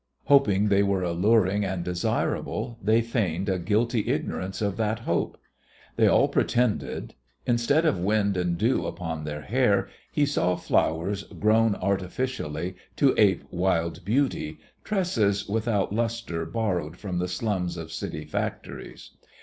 Hoping they were alluring and desirable, they feigned a guilty ignorance of that hope. They all pretended. Instead of wind and dew upon their hair, he saw flowers grown artificially to ape wild beauty, tresses without lustre borrowed from the slums of city factories.